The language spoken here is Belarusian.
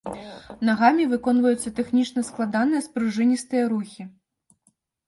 Нагамі выконваюцца тэхнічна складаныя спружыністыя рухі.